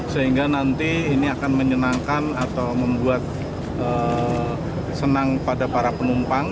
sehingga nanti ini akan menyenangkan atau membuat senang pada para penumpang